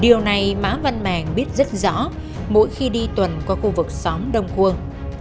điều này mã văn mèng biết rất rõ mỗi khi đi tuần qua khu vực xóm đông khuôn